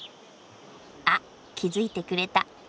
あっ気付いてくれた。